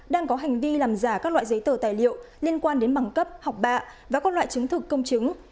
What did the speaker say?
đang có hành vi làm giả các loại giấy tờ tài liệu liên quan đến bằng cấp học bạ và các loại chứng thực công chứng